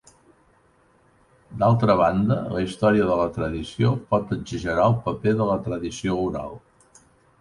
D'altra banda, la història de la tradició pot exagerar el paper de la tradició oral.